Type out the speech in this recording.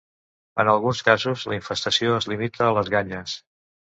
En alguns casos la infestació es limita a les ganyes.